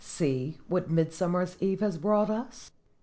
See what Midsummer Eve has brought us!"